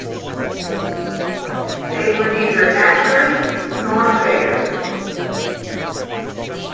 They were neither accurate, nor fair.